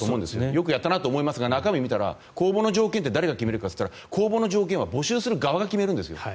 よくやったなと思いますが中身を見たら公募の条件って誰が決めるかと言ったら公募の条件は募集する側が決めるんです。